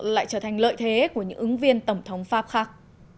lại trở thành lợi thế của những ứng viên tổng thống pháp khác